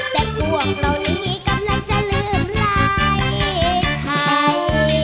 แต่พวกเรานี้กำลังจะลืมลาย